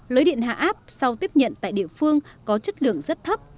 lưới điện hạ áp sau tiếp nhận tại địa phương có chất lượng rất thấp